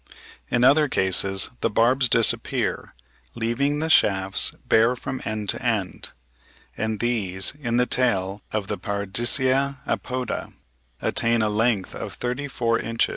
In other cases the barbs disappear, leaving the shafts bare from end to end; and these in the tail of the Paradisea apoda attain a length of thirty four inches (71.